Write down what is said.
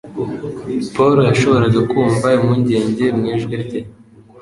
Paul yashoboraga kumva impungenge mu ijwi rye.